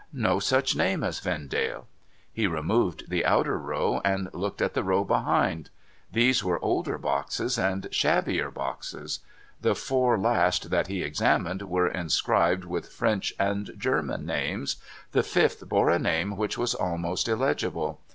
No such name as Vendale ! He removed the outer row, and looked at the row behind. These were older boxes, and shabbier boxes. The four first that he examined, were inscribed with French and German names. The fifth bore a name which was almost illegible.